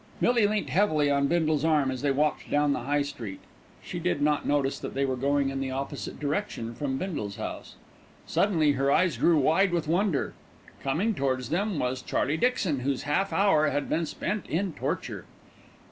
Millie leant heavily on Bindle's arm as they walked down the High Street. She did not notice that they were going in the opposite direction from the Bindles' house. Suddenly her eyes grew wide with wonder; coming towards them was Charlie Dixon, whose half hour had been spent in torture.